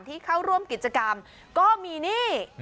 ที่เข้าร่วมกิจกรรมก็มีหนี้